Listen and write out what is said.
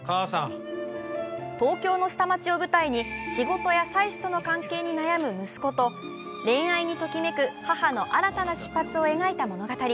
東京の下町を舞台に仕事や妻子との関係に悩む息子と恋愛にときめく母の新たな出発を描いた物語。